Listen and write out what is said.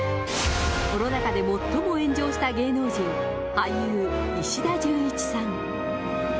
コロナ禍で最も炎上した芸能人、俳優、石田純一さん。